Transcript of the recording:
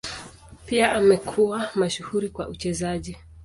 Pia amekuwa mashuhuri kwa uchezaji.